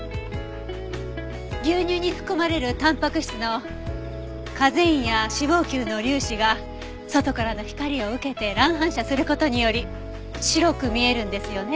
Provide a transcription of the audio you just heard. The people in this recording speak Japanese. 牛乳に含まれるたんぱく質のカゼインや脂肪球の粒子が外からの光を受けて乱反射する事により白く見えるんですよね。